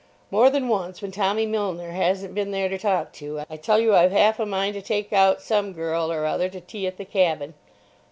More than once, when Tommy Milner hasn't been there to talk to, I tell you I've half a mind to take out some girl or other to tea at the "Cabin."